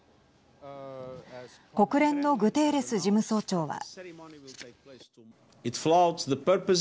国連のグテーレス事務総長は。